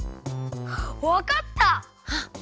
わかった！